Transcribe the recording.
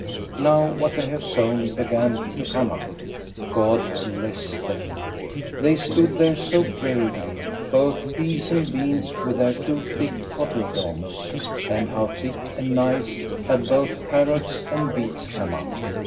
Now what they had sown began to come up. God bless them ! they stood there so bravely, both peas and beans with their two thick cotyledons ; and how thick and nice had both carrots and beets come up